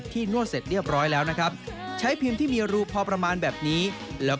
แต่ต้องไปพิจิตฯสักหน่อยแล้ว